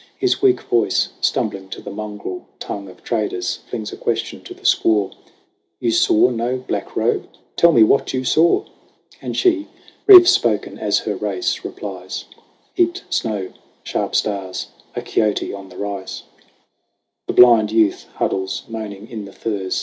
His weak voice, stumbling to the mongrel tongue Of traders, flings a question to the squaw : "You saw no Black Robe? Tell me what you saw!" And she, brief spoken as her race, replies : "Heaped snow sharp stars a kiote on the rise." The blind youth huddles moaning in the furs.